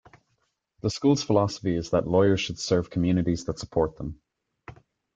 The school's philosophy is that lawyers should serve the communities that support them.